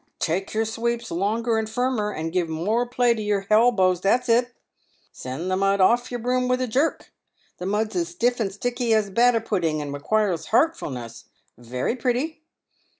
" Take your sweeps longer and firmerer, and give more play to yer helbows — that's it! Send the mud off yer broom with a jerk! The mud's as stiff and sticky as batter pudding, and requires hartfulness — i very pretty